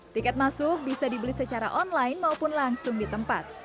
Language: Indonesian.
tiket masuk bisa dibeli secara online maupun langsung di tempat